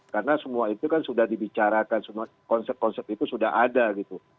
karena semua itu kan sudah dibicarakan semua konsep konsep itu sudah ada gitu